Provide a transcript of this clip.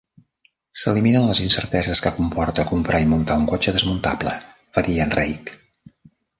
S'eliminen les incerteses que comporta comprar i muntar un cotxe desmuntable, va dir en Reick.